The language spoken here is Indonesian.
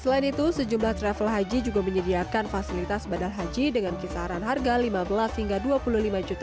selain itu sejumlah travel haji juga menyediakan fasilitas badal haji dengan kisaran harga rp lima belas hingga rp dua puluh lima juta